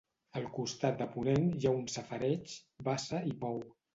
Al costat de ponent hi ha un safareig, bassa i pou.